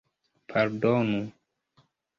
pardonu